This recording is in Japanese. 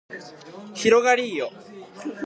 広がりーよ